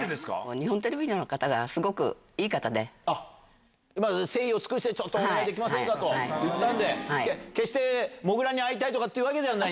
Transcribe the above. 日本テレビの方がすごくいいあっ、誠意を尽くしてちょっとお願いできませんかといったんで、決して、もぐらに会いたいとかっていうわけではない？